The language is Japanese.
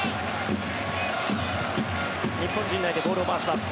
日本、陣内でボールを回します。